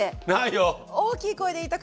大きい声で言いたくて。